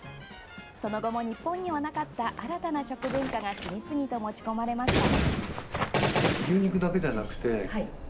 その後も日本にはなかった新たな食文化が次々と持ち込まれました。